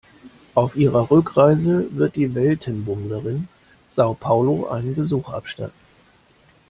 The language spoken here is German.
Auf ihrer Rückreise wird die Weltenbummlerin Sao Paulo einen Besuch abstatten.